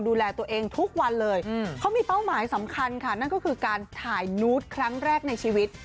ดูแลตัวเองทุกวันเลยเขามีเป้าหมายสำคัญค่ะนั่นก็คือการถ่ายนูตครั้งแรกในชีวิต